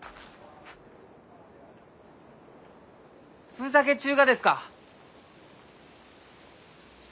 ふざけちゅうがですか？